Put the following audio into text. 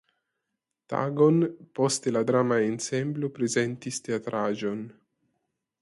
Tagon poste la drama ensemblo prezentis teatraĵon.